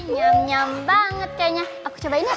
nyam nyam banget kayaknya aku cobain ya